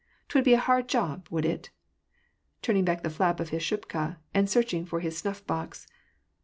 " 'Twould be a hard job, would it ?" turning back the flap of his shubka, and searching for his snuff box.